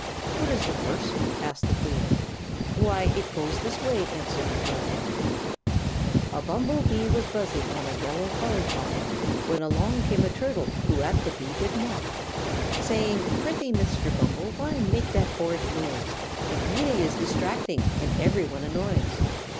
"What is the verse?" asked the Queen. "Why, it goes this way," answered the girl: "'A bumble bee was buzzing on a yellow hollyhock When came along a turtle, who at the bee did mock, Saying "Prithee, Mr. Bumble, why make that horrid noise? It's really distracting, and every one annoys."